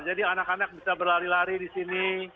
jadi anak anak bisa berlari lari di sini